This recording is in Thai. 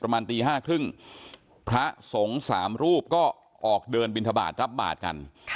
ประมาณตีห้าครึ่งพระสงสามรูปก็ออกเดินบิณฑบาทรับบาทกัน